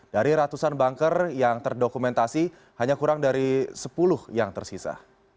dari ratusan banker yang terdokumentasi hanya kurang dari sepuluh yang tersisa